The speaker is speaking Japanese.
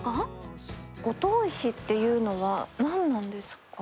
五島石っていうのは何なんですか？